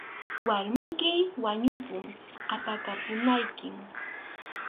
Warmiykim wañupun, apakapunaykim.